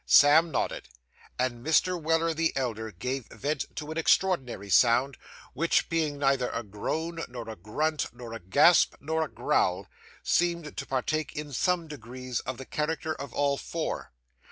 Sam nodded, and Mr. Weller the elder gave vent to an extraordinary sound, which, being neither a groan, nor a grunt, nor a gasp, nor a growl, seemed to partake in some degree of the character of all four.